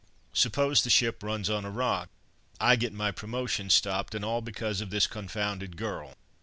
Suppose the ship runs on a rock, I get my promotion stopped, and all because of this confounded girl."